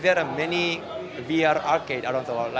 sebenarnya ada banyak arcade vr di seluruh dunia